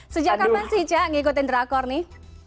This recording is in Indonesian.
sejak kapan sih ca ngikutin drakor nih